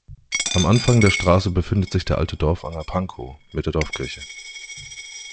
Am Anfang der Straße befindet sich der alte Dorfanger Pankow mit der Dorfkirche.